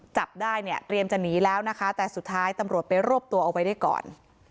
จับได้เนี่ยเตรียมจะหนีแล้วนะคะแต่สุดท้ายตำรวจไปรวบตัวเอาไว้ได้ก่อน